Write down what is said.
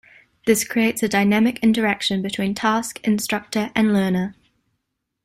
This creates a dynamic interaction between task, instructor and learner.